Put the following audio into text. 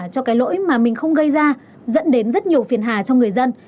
cho cái lỗi mà mình không gây ra dẫn đến rất nhiều phiền hà cho người dân